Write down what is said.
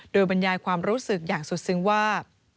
โดยบรรยายความรู้สึกอย่างสุดซึ้งว่า